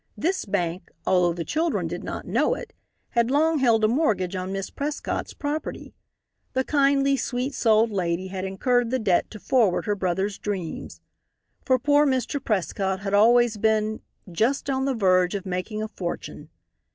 This bank, although the children did not know it, had long held a mortgage on Miss Prescott's property. The kindly, sweet souled lady had incurred the debt to forward her brother's dreams. For poor Mr. Prescott had always been "just on the verge of making a fortune."